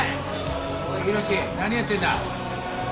おいヒロシ何やってんだ。